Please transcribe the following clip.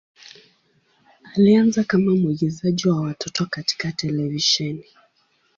Alianza kama mwigizaji wa watoto katika televisheni.